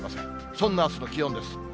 そんなあすの気温です。